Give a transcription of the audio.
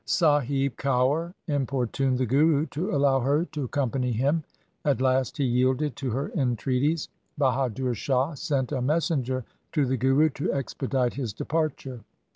Sahib Kaur importuned the Guru to allow her to accompany him. At last he yielded to her entreaties. Bahadur Shah sent a messenger to the Guru to ex pedite his departure.